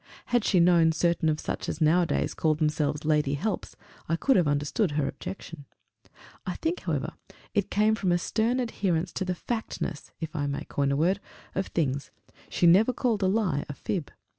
Had she known certain of such as nowadays call themselves lady helps, I could have understood her objection. I think, however, it came from a stern adherence to the factness if I may coin the word of things. She never called a lie a fib.